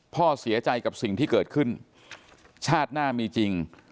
พ่อเสียใจกับสิ่งที่เกิดขึ้นชาติหน้ามีจริง